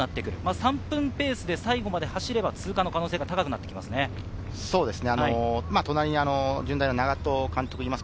３分ペースで最後まで走れば、通過の可能性が大きくなってきますね。